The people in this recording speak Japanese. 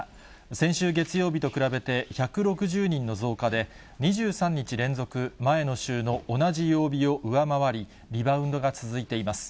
先週月曜日と比べて１６０人の増加で、２３日連続、前の週の同じ曜日を上回り、リバウンドが続いています。